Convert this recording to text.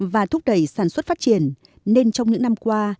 và thúc đẩy sản xuất phát triển nên trong những năm qua